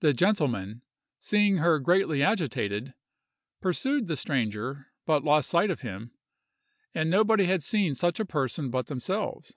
The gentleman, seeing her greatly agitated, pursued the stranger, but lost sight of him, and nobody had seen such a person but themselves.